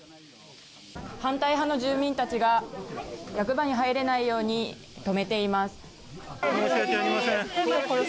反対派の住民たちが役場に入れないように止めています。